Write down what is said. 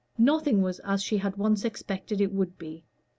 Nothing was as she had once expected it would be.